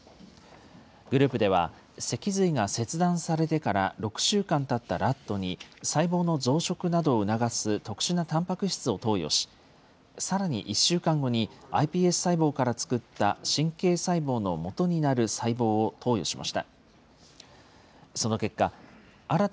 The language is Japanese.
グループでは、脊髄が切断されてから６週間たったラットに、細胞の増殖などを促す特殊なたんぱく質を投与し、さらに１週間後にｉＰＳ細胞から作った神経細胞のもとになる細胞を投与しました。